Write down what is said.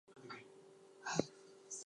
Robert uses the evidence to blackmail Jackson.